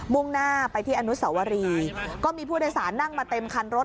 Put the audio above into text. ่งหน้าไปที่อนุสวรีก็มีผู้โดยสารนั่งมาเต็มคันรถ